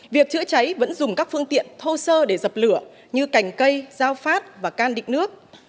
việc chữa cháy vẫn dùng các phương tiện thô sơ để dập lửa như cành cây dao phát và can định nước